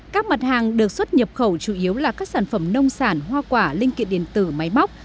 các mặt hàng được xuất nhập khẩu chủ yếu là các sản phẩm nông sản hoa quả linh kiện điện tử máy móc